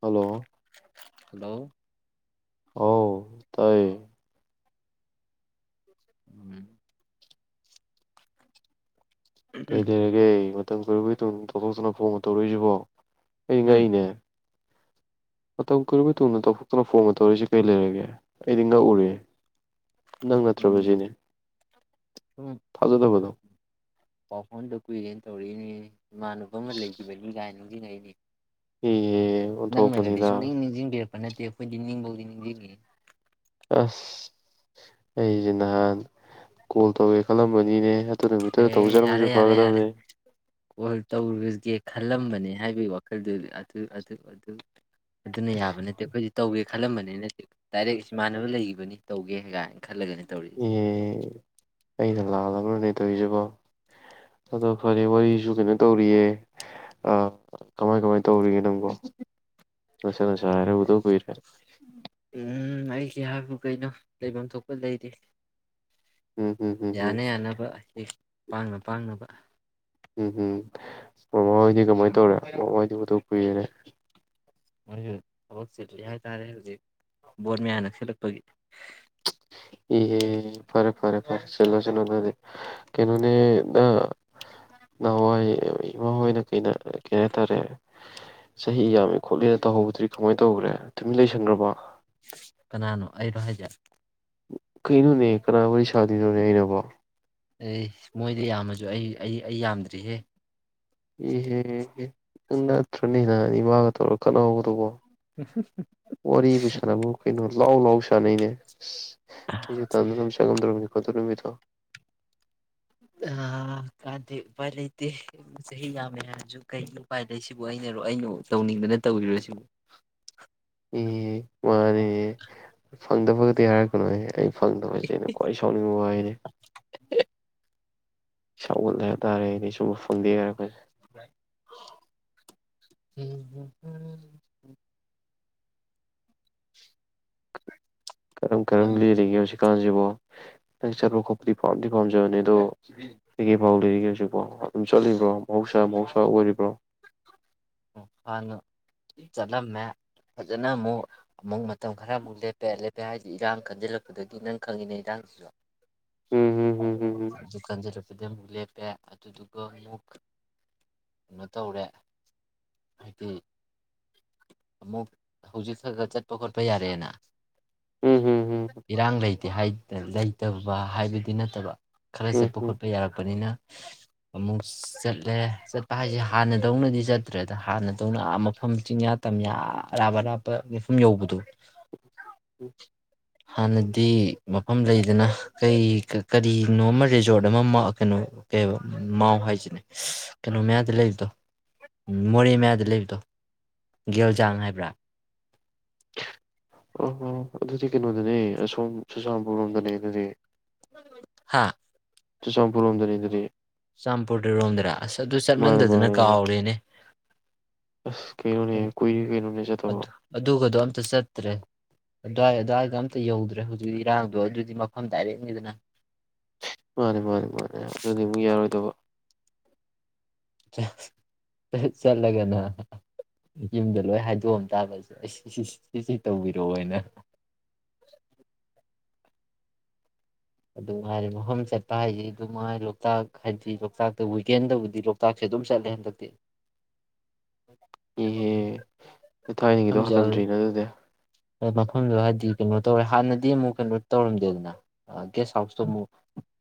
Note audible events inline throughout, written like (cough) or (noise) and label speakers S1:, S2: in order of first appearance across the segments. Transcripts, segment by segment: S1: Hello
S2: hello
S1: ꯑꯣ ꯇꯥꯏꯌꯦ
S2: ꯎꯝ
S1: ꯀꯩ ꯂꯩꯔꯒꯦ ꯃꯇꯝ ꯀꯣꯏꯔꯨꯒꯤ ꯇꯨꯡ ꯇꯥꯊꯣꯛꯇꯨꯅ ꯐꯣꯡ ꯇꯧꯔꯛꯏꯁꯤꯕꯣ ꯑꯩ
S2: ꯎꯝ
S1: ꯉꯅꯦ ꯃꯇꯝ ꯀꯔꯕ ꯇꯨꯡꯗ ꯇꯧꯊꯇꯨꯅ ꯐꯣꯟ ꯇꯧꯔꯤꯁꯤꯦ ꯀꯩ ꯂꯩꯔꯒꯦ ꯑꯩꯗꯤ ꯉꯛꯎꯔꯤ ꯅꯪ
S2: ꯎꯝ
S1: ꯅꯠꯇ꯭ꯔ ꯁꯤꯅꯦ
S2: ꯁꯨꯝ
S1: ꯊꯥꯖꯗꯕꯗꯣ
S2: ꯄꯥꯎ ꯐꯣꯟ ꯇ ꯀꯣꯏꯏꯟ ꯇꯧꯔꯤꯅꯤ ꯏꯃꯥꯟꯅꯕ ꯑꯃ ꯂꯩꯒꯤꯕꯅꯤ ꯀꯥꯏꯅꯤ ꯖꯤ ꯉꯥꯏꯅꯦ
S1: ꯑꯦ
S2: ꯅꯪꯅꯒꯗꯤ ꯁꯨꯡꯛꯅꯤꯡ ꯅꯤꯡꯁꯤꯡꯕꯤꯔꯛꯄ ꯅꯠꯇꯦ ꯑꯩꯈꯣꯏꯗꯤ ꯅꯤꯡꯕꯧꯗꯤ (inaudible)
S1: ꯑꯁ ꯑꯩꯁꯦ ꯅꯍꯥꯟ ꯀꯣꯜ ꯇꯧꯒꯦ ꯈꯜꯂꯝꯕꯅꯤꯅꯦ ꯅꯨꯃꯤꯠꯇꯨꯗ
S2: ꯑꯦ
S1: ꯇꯧꯖꯔꯝꯃꯁꯨ
S2: ꯌꯥꯔꯦ ꯌꯥꯔꯦ ꯌꯥꯔꯦ
S1: ꯐꯒꯗꯕꯅꯦ
S2: ꯀꯣꯏ ꯇ ꯎꯔꯖꯦ ꯈꯜꯂꯝꯕꯅꯤ ꯍꯥꯏꯕꯒꯤ ꯋꯥꯈꯜꯗꯨ ꯑꯗꯨ ꯑꯗꯨ ꯑꯗꯨꯅ ꯌꯥꯕ ꯅꯠꯇꯦ ꯑꯩꯈꯣꯏꯁꯨ ꯇꯧꯒꯦ ꯈꯜꯂꯝꯕꯅꯤ ꯅꯠꯇꯦ ꯗꯥꯏꯔꯦꯛ ꯏꯃꯥꯟꯅꯕ ꯂꯩꯈꯤꯕꯅꯤ ꯇꯧꯒꯦ ꯀꯥꯏꯅ ꯈꯜꯂꯒꯅꯦ ꯇꯧꯔꯛꯏꯁꯦ
S1: ꯑꯣ ꯑꯩꯅꯥ ꯂꯥꯂꯦ ꯑꯇꯦ ꯇꯧꯁꯦꯕꯣ ꯑꯗꯣ ꯐꯔꯦ ꯋꯥꯔꯤꯁꯨ ꯀꯩꯅꯣ ꯇꯧꯔꯤꯌꯦ ꯀꯃꯥꯏ ꯀꯃꯥꯏ ꯇꯧꯔꯤꯒꯦ ꯅꯪꯕꯣ ꯂꯣꯏꯁꯤꯂꯥꯁꯤ ꯍꯥꯏꯔ ꯎꯗ ꯀꯨꯏꯔꯦ
S2: ꯎꯝ ꯑꯩꯒꯤ ꯍꯥꯏꯕꯨ ꯀꯩꯅꯣ ꯂꯩꯐꯝ ꯊꯣꯛꯄ ꯂꯩꯔꯤ
S1: ꯎꯝ ꯍꯝ ꯍꯝ ꯍꯝ
S2: ꯌꯥꯅ ꯌꯥꯅꯕ ꯍꯦꯛ ꯄꯥꯡꯅ ꯄꯥꯡꯅꯕ
S1: ꯎꯝ ꯎꯝ ꯃꯃꯥꯍꯣꯏꯗꯤ ꯀꯃꯥꯏꯅ ꯇꯧꯔꯦ ꯃꯃꯥꯍꯣꯏꯗꯤ ꯎꯗꯥ ꯀꯨꯏꯔꯦꯅꯦ
S2: ꯃꯣꯏꯁꯨ ꯊꯕꯛ ꯆꯤꯜꯂꯤ ꯍꯥꯏꯇꯥꯔꯦ ꯍꯧꯖꯤꯛ ꯕꯣꯔꯠ ꯃꯌꯥ ꯅꯛꯁꯤꯜꯂꯛꯄꯒꯤ
S1: ꯑꯦ ꯐꯔꯦ ꯐꯔꯦ ꯐꯔꯦ ꯆꯂꯣ ꯆꯅꯣꯦ ꯀꯩꯅꯣꯅꯦ ꯅꯥ ꯅꯥꯍꯑꯋꯥꯏ ꯏꯃꯥ ꯍꯣꯏꯅ ꯀꯩꯅ ꯀꯩ ꯍꯥꯏꯇꯥꯔꯦ ꯆꯍꯤ ꯌꯥꯝꯃꯦ ꯈꯣꯠꯂꯦꯅ ꯇꯧꯍꯧꯕꯗ꯭ꯔꯤ ꯀꯃꯥꯏꯅ ꯇꯧꯈ꯭ꯔꯦ ꯇꯨꯃꯤꯟꯅ ꯂꯩꯁꯟꯈ꯭ꯔꯕ
S2: ꯀꯅꯥꯅꯣ ꯑꯩꯔꯣ ꯍꯥꯏꯖꯦ
S1: ꯀꯩꯅꯣꯅꯦ ꯀꯅꯥ ꯋꯥꯔꯤ ꯁꯥꯗꯤꯅꯣꯅꯦ ꯑꯩꯅꯕ
S2: ꯑꯩ ꯃꯣꯏꯗꯤ ꯌꯥꯝꯃꯁꯨ ꯑꯩ ꯑꯩ ꯑꯩ ꯌꯥꯝꯗ꯭ꯔꯤꯍꯦ
S1: (unintelligible) ꯑꯩ ꯃꯥꯥꯒ ꯇꯧꯔꯒ ꯈꯠꯅꯍꯧꯒꯗꯧꯕ ꯋꯥꯔꯤꯕꯨ ꯁꯥꯅꯕꯨ ꯀꯩꯅꯣ ꯂꯥꯎ ꯂꯥꯎ ꯁꯥꯟꯅꯩꯅꯦ (unintelligible) ꯀꯗꯨꯔꯨꯃꯤꯗ
S2: ꯑ ꯀꯥꯗꯦ ꯎꯄꯥꯏ ꯂꯩꯇꯦ ꯆꯍꯤ ꯌꯥꯝꯃꯦ ꯍꯥꯏꯔꯁꯨ ꯀꯩ ꯎꯄꯥꯏ ꯂꯩ ꯁꯤꯕꯨ ꯑꯩꯅꯔꯣ ꯑꯩꯅ ꯇꯧꯅꯤꯡꯗꯅ ꯇꯧꯕꯤꯔꯣ ꯁꯤꯕꯨ
S1: ꯑꯦ ꯃꯥꯅꯦ ꯐꯪꯗꯕꯒꯗꯤ ꯌꯥꯔꯒꯅꯣꯍ ꯑꯩ ꯐꯪꯗꯕ ꯍꯥꯏꯁꯦ ꯑꯩꯅ ꯈ꯭ꯋꯥꯏ ꯁꯥꯎꯅꯤꯡꯕ ꯋꯥꯍꯩꯅꯤ ꯁꯒꯠꯂꯦ ꯍꯥꯏꯕ ꯇꯥꯔꯦ ꯑꯩꯗꯤ ꯁꯨꯝꯕ ꯐꯣꯟꯗꯦ ꯍꯥꯏꯔꯛ ꯀꯁꯦ
S2: (unintelligible)
S1: ꯀꯔꯝ ꯀꯔꯝ ꯂꯦꯜꯂꯤꯒꯦ ꯍꯧꯖꯤꯛ ꯍꯧꯖꯤꯛꯀꯥꯟꯁꯤꯕꯣ ꯅ ꯆꯠꯄ ꯈꯣꯠꯄꯗꯤ ꯄꯥꯝꯗꯤ ꯄꯥꯝꯖꯕꯅꯦ ꯑꯗꯣ ꯀꯩꯀꯩ ꯐꯥꯎ ꯂꯩꯔꯤꯒꯦ ꯍꯧꯖꯤꯛꯕꯣ ꯑꯗꯨꯝ ꯆꯠꯂꯤꯕ꯭ꯔꯣ ꯃꯍꯧꯁꯥ ꯃꯍꯧꯁꯥ ꯑꯣꯏꯔꯤꯕ꯭ꯔꯣ
S2: ꯍꯥꯟꯅ ꯆꯠꯂꯝꯃꯦ ꯐꯖꯅ ꯃꯨꯛ ꯃꯇꯝ ꯈꯔꯃꯨꯛ ꯂꯦꯞꯄꯦ ꯍꯥꯏꯗꯤ ꯏꯔꯥꯡ ꯈꯟꯖꯤꯜꯂꯛꯄꯗꯒꯤ ꯅꯪ ꯈꯪꯉꯤꯅꯦ ꯏꯔꯥꯡꯁꯤꯁꯨ
S1: ꯎꯝ ꯍꯝ ꯍꯝ ꯍꯝ ꯍꯝ
S2: ꯗꯨꯀꯥꯟꯖꯔ ꯁꯤꯗ ꯑꯃꯨꯛ ꯂꯦꯞꯄꯦ ꯑꯗꯨꯗꯨꯒ ꯑꯃꯨꯛ ꯀꯩꯅꯣ ꯇꯧꯔꯦ ꯍꯥꯏꯗꯤ ꯑꯃꯨꯛ ꯍꯧꯖꯤꯛ ꯈ ꯈ ꯆꯠꯄ ꯈꯣꯠꯄ ꯌꯥꯔꯦꯅ
S1: ꯎꯝ ꯍꯝ ꯍꯝ
S2: ꯏꯔꯥꯡ ꯂꯩ ꯂꯩꯇꯕ ꯍꯥꯏꯕꯗꯤ ꯅꯠꯇꯕ ꯈꯔ
S1: ꯎꯝ
S2: ꯆꯠꯄ
S1: ꯍꯝ
S2: ꯈꯣꯠꯄ ꯌꯥꯔꯛꯄꯅꯤꯅ ꯑꯃꯨꯛ ꯆꯠꯂꯦ ꯆꯠꯄ ꯍꯥꯏꯁꯦ ꯍꯥꯟꯅꯗꯧꯅꯗꯤ ꯆꯠ ꯇ꯭ꯔꯦꯗ ꯍꯥꯟꯅꯗꯧꯅ ꯃꯐꯝ ꯆꯤꯡꯌꯥ ꯇꯝꯌꯥ ꯑꯔꯥꯞ ꯑꯔꯥꯞꯄ ꯃꯐꯝ ꯌꯧꯕꯗꯣ ꯍꯥꯟꯅꯗꯤ ꯃꯐꯝ ꯂꯩꯗꯅ ꯀꯩ ꯀꯔꯤꯅꯣ ꯑꯃ ꯔꯤꯖꯣꯔꯠ ꯑꯃ ꯀꯩꯅꯣ ꯀ ꯃꯥꯎ ꯍꯥꯏꯁꯤꯅꯦ ꯀꯩꯅꯣ ꯃꯌꯥꯗ ꯂꯩꯕꯗꯣ ꯃꯣꯔꯦ ꯃꯌꯥꯗ ꯂꯩꯕꯗꯣ ꯒꯦꯜꯖꯥꯡ ꯍꯥꯏꯕ꯭ꯔꯥ
S1: ꯑ ꯑꯗꯨꯗꯤ ꯀꯩꯅꯣꯗꯅꯦ ꯑꯁꯣꯝ ꯆꯨꯔꯆꯥꯟꯄꯨꯔ ꯂꯣꯝꯗꯅꯦ ꯑꯗꯨꯗꯤ
S2: ꯍꯥ
S1: ꯆꯨꯔꯆꯥꯟꯄꯨꯔꯣꯝꯗꯅꯤ ꯑꯗꯨꯗꯤ
S2: ꯆꯥꯟꯄꯨꯔꯗꯔꯣꯝꯗꯔ ꯑꯁ ꯑꯗꯨ
S1: ꯃꯥꯅꯦ
S2: ꯆꯠꯃꯟꯗꯗꯅ
S1: ꯃꯥꯅꯦ ꯃꯥꯅꯦ
S2: ꯀꯥꯎꯔꯦꯅꯦ
S1: ꯑꯁ ꯀꯩꯅꯣꯅꯦ ꯀꯨꯏꯔꯦ ꯀꯩꯅꯣꯅꯦ ꯆꯠꯇꯕ
S2: ꯑꯗꯨ ꯑꯗꯨꯒꯗꯣ ꯑꯝꯇ ꯆꯠ ꯅꯠꯇ꯭ꯔꯦ ꯑꯗꯨꯋꯥꯏ ꯑꯗꯨꯋꯥꯏꯗ ꯑꯝꯇ ꯌꯧꯗ꯭ꯔꯦ ꯍꯧꯖꯤꯛꯤ ꯏꯔꯥꯡꯗꯣ ꯑꯗꯨꯗꯤ ꯃꯐꯝ ꯗꯥꯏꯔꯦꯛꯅꯤꯗꯅ
S1: ꯃꯥꯅꯦ ꯃꯥꯅꯦ ꯃꯥꯅꯦ ꯑꯗꯨꯗꯤ ꯑꯃꯨꯛ ꯌꯥꯔꯣꯏꯗꯕ
S2: ꯆꯠꯂꯒꯅ ꯌꯨꯝꯗ ꯂꯣꯏ ꯍꯥꯏꯗꯣꯛꯑꯝ ꯇꯥꯕꯁꯦ ꯑꯩ ꯁꯤ ꯁꯤꯁꯤ ꯇꯧꯕꯤꯔꯛꯑꯣꯅ ꯑꯗꯨꯝ ꯍꯥꯏꯥꯏꯔꯦ ꯃꯐꯝ ꯆꯠꯄ ꯍꯥꯏꯗꯤ ꯑꯗꯨꯝꯥꯏ ꯂꯣꯛꯇꯥꯛ ꯍꯥꯏꯗꯤ ꯂꯣꯛꯇꯥꯛꯇ ꯋꯤꯀꯦꯟꯗꯕꯨꯗꯤ ꯂꯣꯛꯇꯥꯛꯁꯦ ꯑꯗꯨꯝ ꯆꯠꯂꯦ ꯍꯟꯗꯛꯇꯤ
S1: ꯏꯍꯦ
S2: (inaudible)
S1: ꯊꯥꯏꯅꯒꯤꯗꯣ
S2: ꯃꯐꯝ
S1: ꯍꯜꯂꯝꯗ꯭ꯔꯤꯅꯦ ꯑꯗꯨꯗꯤ
S2: ꯃꯐꯝꯗꯣ ꯍꯥꯏꯗꯤ ꯀꯩꯅꯣ ꯇꯧꯔꯦ ꯍꯥꯟꯅꯗꯤ ꯑꯃꯨꯛ ꯀꯩꯅꯣ ꯇꯧꯔꯝꯗꯦꯗꯅ ꯒꯦꯁ ꯍꯥꯎꯁꯇꯣ ꯑꯃꯨꯛ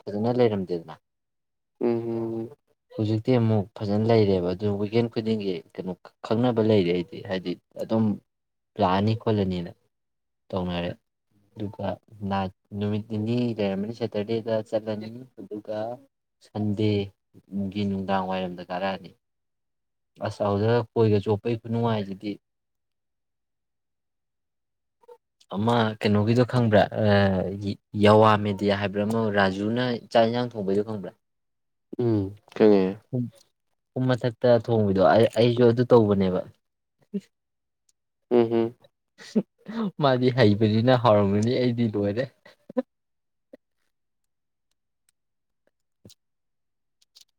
S2: ꯐꯖꯅ ꯂꯩꯔꯝꯗꯦꯗꯅ
S1: ꯎꯝ ꯎꯝ ꯎꯝ
S2: ꯍꯧꯖꯤꯛꯇꯤ ꯑꯃꯨꯛ ꯐꯖꯅ ꯂꯩꯔꯦꯕ ꯑꯗꯨ ꯋꯤꯀꯦꯟ ꯈꯨꯗꯤꯡꯒꯤ ꯀꯩꯅꯣ ꯈꯪꯅꯕ ꯂꯩꯔꯦ ꯑꯩꯗꯤ ꯍꯥꯏꯗꯤ ꯑꯗꯨꯝ ꯂꯥꯛꯑꯅꯤ ꯈꯣꯠꯂꯅꯤꯅ ꯇꯧꯅꯔꯦ ꯑꯗꯨꯒ ꯂꯥꯛ ꯅꯨꯃꯤꯠ ꯅꯤꯅꯤ ꯂꯩꯔꯝꯃꯅꯤ ꯁꯦꯇꯔꯗꯦꯗ ꯆꯠꯂꯅꯤ ꯑꯗꯨ ꯒ ꯁꯟꯗꯦꯒꯤ ꯅꯨꯡꯗꯥꯡꯋꯥꯏꯔꯝꯗ ꯀꯥꯔꯛꯑꯅꯤ ꯑꯁ ꯑꯥꯎꯗ ꯀꯣꯏꯒ ꯆꯣꯠꯄꯒꯤ ꯈꯨꯅꯨꯡꯉꯥꯏꯁꯤꯗꯤ ꯑꯃ ꯀꯩꯅꯣꯒꯤꯗꯣ ꯈꯪꯕ꯭ꯔꯥ ꯌꯤ ꯌꯥꯋꯥ ꯃꯦꯗꯤꯌꯥ ꯍꯥꯏꯕ꯭ꯔꯥ ꯑꯃ ꯔꯥꯖꯨꯅ ꯆꯥꯛ ꯌꯦꯟꯁꯥꯡ ꯊꯣꯡꯕꯩꯗꯣ ꯈꯪꯕ꯭ꯔꯥ
S1: ꯎꯝ ꯈꯪꯉꯦ
S2: (unintelligible) ꯇ ꯊꯣꯡꯕꯤꯗꯣ ꯑ ꯑꯩꯁꯨ ꯑꯗꯨ ꯇꯧꯕꯅꯦꯕ
S1: ꯎꯝ
S2: ꯃꯥꯗꯤ ꯍꯩꯕꯅꯤꯅ ꯍꯥꯎꯔꯝꯒꯅꯤ ꯑꯩꯗꯤ ꯂꯣꯏꯔꯦ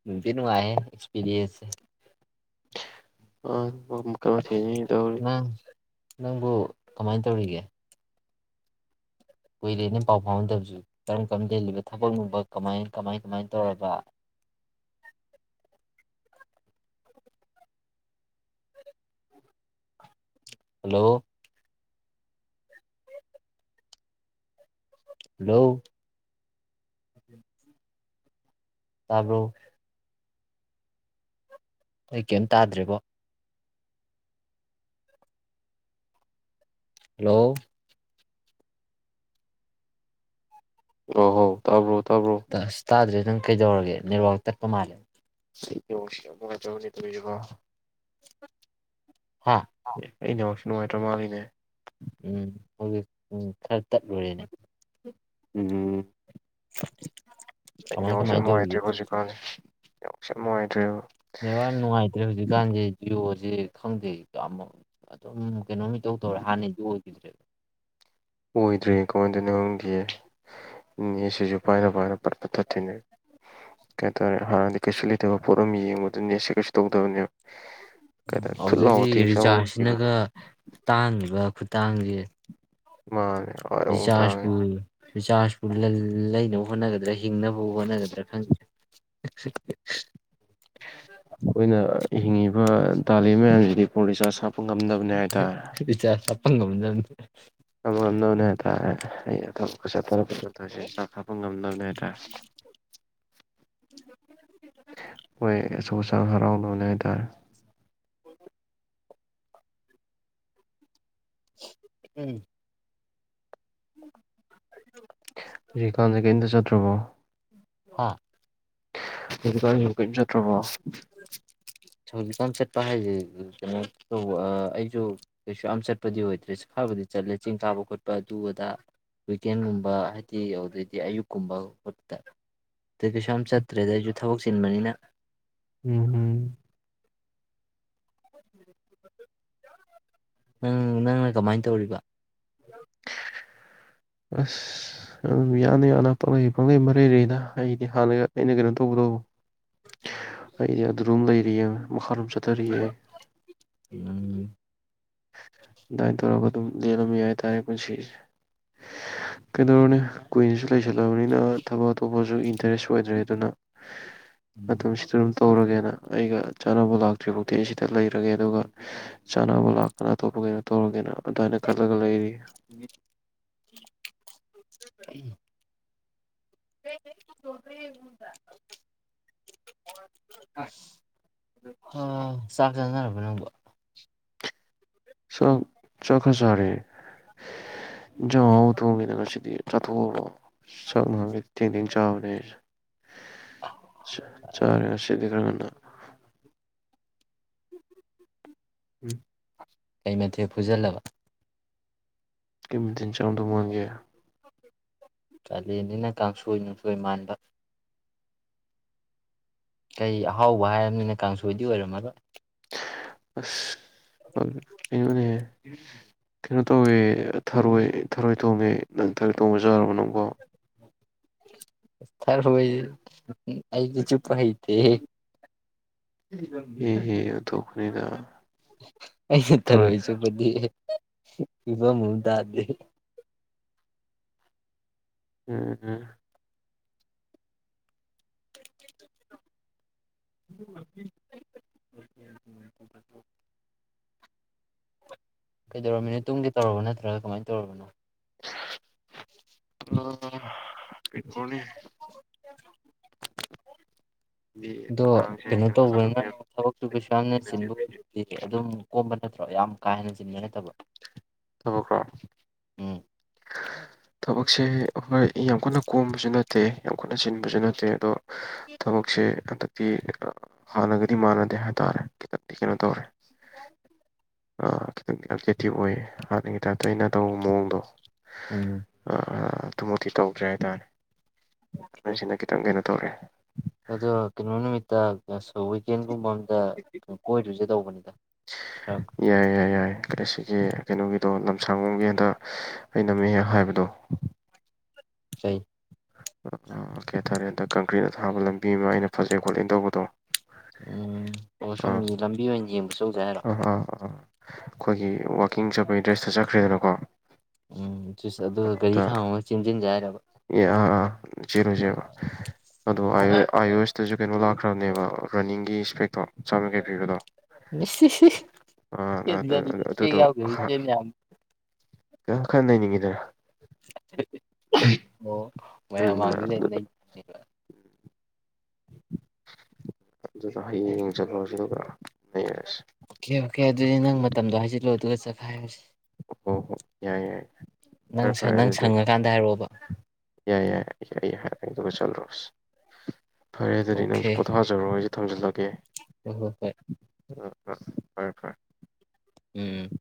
S2: ꯅꯨꯡꯗꯤ ꯅꯨꯡꯉꯥꯏ ꯍꯦ ꯑꯦꯛꯁꯄꯤꯔꯤꯟꯁꯦ
S1: ꯑ
S2: ꯅꯪ
S1: (unintelligible)
S2: ꯅꯪꯕꯨ ꯀꯃꯥꯏꯟ ꯇꯧꯔꯤꯒꯦ ꯀꯨꯏꯔꯦ ꯅꯦ ꯄꯥꯎ ꯐꯥꯎꯅꯗꯕꯁꯨ ꯀꯔꯝ ꯀꯔꯝ ꯂꯦꯜꯂꯤꯕ ꯊꯕꯛ ꯅꯨꯡꯕꯛ ꯀꯃꯥꯏ ꯀꯃꯥꯏ ꯀꯃꯥꯏ ꯇꯧꯔꯕ ꯍꯜꯂꯣ ꯍꯂꯣ ꯇꯥꯕꯔ꯭ꯣ ꯑꯩ ꯀꯌꯤꯝ ꯇꯥꯗ꯭ꯔꯦꯕꯣ ꯍꯜꯂꯣ
S1: ꯑꯣ ꯍꯣ ꯇꯕ ꯇꯕ꯭ꯔꯣ
S2: ꯑꯁ ꯇꯥꯗ꯭ꯔꯦ ꯅꯪ ꯀꯩꯗꯧꯔꯒꯦ ꯅꯦꯠꯋꯥꯛ ꯇꯠꯄ ꯃꯥꯜꯂꯦ
S1: ꯑꯩꯁ ꯅꯦꯠꯑꯣꯔꯀꯁꯤ ꯌꯥꯝ ꯅꯨꯡꯉꯥꯏꯇꯕ ꯅꯦꯠ ꯑꯣꯏꯔꯤꯕꯣ
S2: ꯍꯥ
S1: ꯑ ꯑꯩꯪ ꯅꯦꯠꯋꯥꯛꯁꯦ ꯅꯨꯡꯉꯥꯏꯇ꯭ꯔ ꯃꯥꯜꯂꯤꯅꯦ
S2: (unintelligible) ꯇꯠꯂꯨꯔꯦꯅꯦ
S1: ꯑꯨꯝ ꯑꯩꯒꯤ
S2: ꯀꯃꯥꯏ
S1: ꯅꯦꯠꯋꯥꯛꯁꯦ ꯌꯥꯝ
S2: ꯀꯃꯥꯏꯅ ꯇꯧꯔꯤꯒꯦ
S1: ꯅꯨꯡꯉꯥꯏꯇ꯭ꯔꯦꯕ ꯍꯧꯖꯤꯛꯀꯥꯟꯁꯤ ꯅꯦꯠꯋꯥꯛꯁꯦ ꯌꯥꯝ ꯅꯨꯡꯉꯥꯏꯇ꯭ꯔꯦꯕ
S2: ꯅꯦꯠꯋꯥꯛ ꯌꯥꯝ ꯅꯨꯡꯉꯥꯏꯇ꯭ꯔꯦ ꯍꯧꯖꯤꯛꯀꯥꯟꯖꯦ ꯖꯤꯑꯣ ꯁꯦ ꯈꯪꯗꯩꯗꯣ ꯑꯃꯨꯛ ꯑꯗꯨꯝ ꯀꯩꯅꯣꯝ ꯏꯇꯧ ꯇꯧꯔꯦ ꯍꯥꯟꯅꯗꯤ ꯑꯣꯏ (inaudible)
S1: ꯑꯣꯏꯗ꯭ꯔꯦꯀꯣꯗ ꯅ ꯈꯪꯒꯤ ꯅꯦꯠꯁꯤꯁꯨ ꯄꯥꯏꯅ ꯄꯥꯏꯅ ꯄꯠ ꯄꯠ ꯇꯠꯇꯣꯏꯅꯦꯕ ꯀꯩꯗꯔꯦ ꯍꯥꯟꯅꯗꯤ ꯀꯩꯁꯨ ꯂꯩꯇꯕ ꯄꯣꯠ ꯑꯃ ꯌꯦꯡꯕꯗ ꯅꯦꯠꯁꯦ ꯀꯩꯁꯨ ꯇꯧꯗꯕꯅꯦꯕ ꯀꯩ ꯍꯥꯏꯇꯥꯔꯦ ꯊꯨꯠ
S2: ꯑꯥꯎꯗꯩꯗꯤ
S1: ꯂꯥꯎꯕ ꯇꯦꯛꯁ ꯑꯃ ꯌꯦꯡꯕꯗꯣ
S2: ꯔꯤꯆꯥꯔꯖꯁꯤꯅꯒ ꯇꯥꯡꯉꯤꯕ ꯇꯥꯡꯖꯦ
S1: ꯃꯥꯅꯦ꯫ ꯑꯃꯨꯛ ꯇꯥꯡꯉꯦ
S2: ꯕꯤꯖꯥꯁꯨ ꯕꯤꯖꯕꯨ ꯂꯜ ꯂꯩꯅꯕ ꯍꯣꯠꯅꯒꯗꯔꯥ ꯍꯤꯡꯅꯕ ꯍꯣꯠꯅꯒꯗꯔ ꯈꯪ (inaudible)
S1: ꯑꯩꯈꯣꯏꯅ (unintelligible) ꯐꯣꯟ ꯔꯤꯆꯥꯔꯖ ꯍꯥꯞꯄ ꯉꯝꯅꯕꯅꯦ ꯍꯥꯏꯇꯥꯔꯦ꯫
S2: ꯔꯤꯆꯥꯔꯖ ꯍꯥꯞꯄ (inaudible)
S1: (unintelligible) (unintelligible) ꯔꯤꯆꯥꯔꯖ ꯀꯥꯞꯄ ꯉꯝꯅꯕꯅꯦ ꯍꯥꯏꯇꯥꯔꯦ ꯍꯣꯏ ꯑꯆ ꯑ (unintelligible) ꯍꯥꯏꯇꯥꯔꯦ
S2: (inaudible) ꯎꯝ꯫ (inaudible)
S1: ꯍꯨꯖꯤꯛ ꯀꯟꯖꯦ ꯀꯩꯝꯇ ꯆꯠꯇꯔ꯭ꯕꯣ?
S2: ꯍꯥ
S1: (unintelligible) (unintelligible) ꯆꯠ ꯇꯔ꯭ꯕꯣ?
S2: ꯍꯧꯖꯤꯛꯀꯥꯟ ꯆꯠꯄ ꯍꯥꯏꯁꯦ ꯀꯩꯅꯣ ꯇꯧꯕ ꯑꯩꯁꯨ ꯀꯩꯁꯨ ꯌꯥꯝ ꯆꯠꯄꯗꯤ ꯑꯣꯏꯗ꯭ꯔꯦ ꯈꯕꯨꯗꯤ ꯆꯠꯂꯦ ꯆꯤꯡ ꯀꯥꯕ ꯈꯣꯠꯄ ꯑꯗꯨ ꯑꯗꯥ ꯋꯤꯀꯦꯟꯒꯨꯝꯕ ꯍꯥꯏꯗꯤ ꯑꯗꯨꯗꯩꯗꯤ ꯑꯌꯨꯛꯀꯨꯝꯕ ꯈꯣꯠꯄꯗ ꯑꯗꯩ ꯀꯩꯁꯨ ꯌꯥꯝ ꯆꯠꯇ꯭ꯔꯦꯗ ꯑꯩꯁꯨ ꯊꯕꯛ ꯆꯤꯟꯕꯅꯤꯅ꯫
S1: ꯎꯝ- ꯎꯝ꯫
S2: ꯅꯪ ꯅꯪꯅ ꯀꯃꯥꯏꯅ ꯇꯧꯔꯤꯕ?
S1: ꯑꯁ ꯑꯗꯨꯝ ꯌꯥꯅ- ꯌꯥꯅ ꯄꯪꯪꯂꯩ - ꯄꯪꯂꯩ ꯃꯔꯩꯔꯗ ꯑꯩꯗꯤ ꯍꯥꯟꯅ ꯑꯩꯅ ꯀꯩꯅꯣ ꯇꯧꯕ ꯗꯣ꯫ ꯑꯩꯗꯤ ꯑꯗꯨꯝ ꯂꯩꯔꯤꯌꯦ꯫ ꯃꯈꯥꯔꯝ ꯆꯇꯔꯏ꯫
S2: ꯎꯝ
S1: (unintelligible) ꯂꯦꯜꯂꯝꯃꯤ ꯍꯥꯏꯇꯥꯔꯦ ꯄꯨꯟꯁꯤꯁꯦ ꯀꯩꯗꯧꯔꯨꯅꯤ ꯀꯨꯏꯅꯁꯨ ꯂꯩꯁꯜꯂꯕꯅꯤꯅ ꯊꯕꯛ ꯑꯇꯣꯞꯄꯁꯨ ꯏꯟꯇꯔꯦꯁ ꯑꯣꯏꯗ꯭ꯔꯦ ꯑꯗꯨꯅ (unintelligible) ꯇꯧꯔꯒꯦꯅ ꯑꯩꯒ ꯆꯥꯟꯅꯕ ꯂꯥꯛꯇ꯭ꯔꯤꯐꯥꯎꯗꯤ ꯑꯩ ꯁꯤꯗ ꯂꯩꯔꯒꯦ ꯑꯗꯨꯒ ꯆꯥꯅꯕ ꯂꯥꯛ ꯀꯅꯥꯇꯣꯞꯄꯒꯩꯅꯣ ꯇꯧꯔꯒꯦꯅ ꯑꯗꯨꯃꯥꯏꯅ ꯈꯜꯂꯒ ꯂꯩꯔꯤ꯫
S2: (inaudible) (unintelligible) ꯑ ꯆꯥꯛ ꯆꯥꯅꯔꯕ? (unintelligible)
S1: (unintelligible) ꯆꯥꯛ ꯈꯔꯥ ꯆꯥꯔꯦ, ꯏꯟꯖꯥꯡ ꯑꯍꯥꯑꯣꯕ ꯊꯣꯡꯉꯤꯗꯅ ꯉꯁꯤꯗꯤ ꯆꯥꯊꯣꯛꯑꯕ ꯆꯥꯛ ꯅꯍꯥꯟ ꯒꯩ ꯊꯦꯡ - ꯊꯦꯡ ꯆꯥꯕꯅꯦ ꯑꯩꯁꯦ꯫ ꯆꯔꯦ ꯉꯥꯁꯤꯗꯤ ꯈꯔꯥ ꯉꯟꯅꯥ꯫
S2: (inaudible)
S1: ꯎꯝ
S2: ꯃꯦꯊꯦ ꯐꯨꯖꯜꯂꯕ
S1: ꯀꯝꯇꯤꯟ ꯆꯣꯡꯗ ꯃꯥꯡꯒꯦ
S2: ꯀꯥꯂꯦꯟꯅꯤꯅ ꯀꯥꯡꯁꯣꯏ ꯅꯨꯡꯁꯣꯏ ꯃꯥꯟꯕ ꯀꯩ ꯑꯍꯥꯎꯕ ꯍꯥꯏꯔꯕꯝꯅꯤꯅ ꯀꯥꯡꯁꯣꯏꯗꯤ ꯑꯣꯏꯔꯝꯃꯒ
S1: ꯑꯁ ꯀꯩꯅꯣꯅꯦ ꯀꯩꯅꯣ ꯇꯧꯋꯦ ꯊꯔꯣꯏ ꯊꯔꯣꯏ ꯊꯣꯡꯉꯦ ꯅꯪ ꯊꯥꯔꯣꯏ ꯊꯣꯡꯕ ꯆꯥꯨꯔꯕ ꯅꯣꯀꯣ
S2: ꯐꯔ ꯍ ꯑꯩꯒꯤ ꯆꯄ ꯍꯥꯏꯩꯗꯤꯦ
S1: ꯍꯝ ꯍ
S2: ꯑ ꯊꯔꯣꯏ ꯆꯤ ꯏꯕ ꯃꯨꯗꯗꯤ
S1: ꯎꯝ ꯎꯝ
S2: (inaudible)
S1: ꯎ
S2: ꯎ ꯀꯩꯗꯧꯔꯃꯤꯅꯣ ꯇꯨꯡꯒꯤ ꯇꯧꯔꯕ ꯅꯠꯇꯦ ꯅꯗ꯭ꯔ ꯀꯃꯥꯏꯅ ꯇꯧꯔꯕꯣ
S1: ꯑꯣ ꯑ ꯄ ꯀꯣꯅꯤ ꯗꯤ
S2: (inaudible) ꯑꯗꯣ
S1: ꯅꯨꯡꯗꯥꯡꯁꯦ
S2: ꯀꯩꯅꯣ
S1: ꯉꯟꯅ
S2: ꯇꯧꯕꯅ
S1: ꯇꯨꯝꯃꯦ
S2: ꯊꯕꯛꯇꯨ ꯀꯩꯁꯨ ꯌꯥꯝꯅ ꯆꯤꯟꯕ ꯑꯣꯏꯔꯗꯤ ꯑꯗꯨꯝ ꯀꯣꯝꯕ ꯅꯠꯇ꯭ꯔꯣ ꯌꯥꯝ ꯀꯥ ꯍꯦꯟꯅ ꯆ
S1: ꯇꯕ ꯀ꯭ꯔ
S2: ꯎꯝ
S1: ꯊꯕꯛꯁꯦ ꯑꯩꯈꯣꯏ ꯑꯩ ꯌꯥꯝ ꯀꯟꯅ ꯀꯣꯝꯕꯁꯨ ꯅꯠꯇꯦ ꯅꯠꯇꯦ ꯌꯥꯝ ꯀꯠꯅ ꯁꯤꯟꯕꯁꯨ ꯅꯠꯇꯦ ꯑꯗꯣ ꯊꯕꯛꯁꯦ ꯍꯟꯗꯛꯇꯤ ꯍꯥꯟꯅꯒꯗꯤ ꯃꯥꯟꯅꯗꯦ ꯍꯥꯏꯇꯥꯔꯦ ꯈꯤꯇꯛꯇꯤ ꯀꯩꯅꯣ ꯇꯧꯔꯦ
S2: ꯌꯥ
S1: ꯈꯤꯇꯪ ꯌꯥꯝ ꯑꯦꯦꯇꯤꯞ ꯑꯣꯏꯌꯦ ꯍꯥꯟꯅꯒꯤ ꯇꯥꯏꯞꯇ ꯑꯩꯅ ꯇꯧꯕ ꯃꯑꯣꯡꯗꯣ
S2: ꯑꯣ
S1: ꯑꯗꯨꯃꯛꯇꯤ ꯇꯧꯗ꯭ꯔꯦ ꯍꯥꯏꯇꯥꯥꯔꯦ
S2: ꯑꯗꯨꯗꯣ ꯀꯩꯅꯣ ꯅꯨꯃꯤꯠꯇ ꯁꯋ ꯀꯕꯨ ꯑ ꯀꯣꯏꯗꯣꯏꯁꯦ ꯇꯧꯕꯅꯤ
S1: ꯌꯥꯏ ꯌꯥꯏ ꯌꯥꯏ ꯀ ꯁꯤꯒꯤ ꯀꯩꯅꯣꯒꯤꯗꯣ ꯂꯝꯁꯥꯡꯕꯣꯝꯒꯤ ꯍꯟꯗ ꯑꯩꯅꯝꯃꯦ ꯍꯥꯏꯕꯗꯣ
S2: ꯏꯁꯩ
S1: ꯑꯣ ꯀꯌꯥ ꯇꯔꯦ ꯑꯟꯗ ꯀꯪꯀ꯭ꯔꯤꯠꯅ ꯊꯥꯕ ꯂꯝꯕꯤ ꯑꯃ ꯑꯩꯅ ꯐꯖꯩ ꯈꯣꯠꯂꯦ ꯇꯧꯕꯗꯣ
S2: ꯎꯝ ꯑꯣ ꯁꯨꯝ ꯂꯝꯕꯤ ꯑꯣꯏꯅ ꯌꯦ
S1: ꯎ ꯑ ꯑꯝ ꯑꯩꯈꯣꯏꯒꯤ ꯋꯥꯛꯀꯤꯡ ꯆꯠꯄꯒꯤ ꯗ꯭ꯔꯦꯁꯇ ꯆꯠꯈ꯭ꯔꯦꯗꯅꯀꯣ
S2: ꯎꯝ ꯑꯗꯨꯒ ꯒꯥꯔꯤ ꯈꯥ ꯃꯒ ꯆꯦꯟꯁꯤꯟꯖꯦ ꯍꯥꯏꯔꯕ
S1: ꯑꯦ ꯑ ꯑꯥ ꯆꯦꯜꯂꯣ ꯆꯦꯜꯂꯣ ꯑꯗꯣ ꯑꯥꯏꯌ ꯑꯣ ꯑꯦꯁꯇꯁꯨ ꯀꯩꯅꯣ ꯂꯥꯛꯈ꯭ꯔꯕꯅꯦꯕ ꯔꯟꯅꯤꯡꯒꯤ ꯏꯁꯄꯦꯛꯇꯣ ꯆꯥꯝꯌꯥꯡꯈꯩ ꯄꯤꯕꯗꯣ
S2: ꯢꯁ ꯢꯁ ꯁꯄꯦꯛ ꯌꯥꯎꯗꯔꯁꯨ
S1: ꯑꯗꯨꯗꯣ
S2: ꯆꯦꯟꯕ ꯌꯥꯕꯅꯤ
S1: ꯈꯤꯇꯪ ꯈꯔ ꯅꯩꯅꯤꯡꯉꯤꯗꯅ
S2: ꯊ ꯑꯣ ꯃꯌꯥꯝ
S1: ꯑꯗꯨꯗꯨꯅ
S2: ꯃꯥꯡꯗꯨꯗ
S1: ꯑꯗꯨꯗ
S2: ꯅꯩꯒꯦꯕ
S1: ꯑꯗꯨ ꯍꯌꯦꯡ ꯆꯂꯨꯔꯁꯦ ꯑꯗꯨꯒ ꯂꯩꯔꯁꯤ
S2: ꯑꯣꯀꯦ ꯑꯣꯀꯦ ꯑꯗꯨꯗꯤ ꯅꯪ ꯃꯇꯝꯗꯣ ꯍꯥꯏꯖꯤꯜꯂꯣ ꯑꯗꯨꯒ ꯆꯠꯈꯥꯏꯔꯁꯦ
S1: ꯑꯣ ꯌꯥꯏ ꯌꯥꯏ
S2: ꯅꯪ
S1: ꯐꯔꯦ ꯐꯔꯦ
S2: ꯅꯪ
S1: ꯑꯗꯨꯗꯤ
S2: ꯁꯪꯉꯀꯥꯟꯗ ꯍꯥꯏꯔꯛꯑꯣꯕ
S1: ꯑꯩ ꯑꯩ ꯍꯥꯏꯔꯒꯦ ꯑꯗꯨꯒ ꯆꯜꯂꯣꯁꯤ ꯐꯔꯦ ꯑꯗꯨꯗꯤ
S2: ꯑꯣꯀꯦ
S1: ꯅꯪꯁꯨ ꯄꯣꯊꯥꯖꯔꯣ ꯑꯩꯁꯨ ꯊꯝꯖꯤꯜꯂꯒꯦ
S2: ꯍꯣꯏ ꯍꯣꯏ ꯍꯣꯏ
S1: ꯎꯝ ꯍꯣꯏ ꯐꯔꯦ ꯐꯔꯦ
S2: ꯎꯝ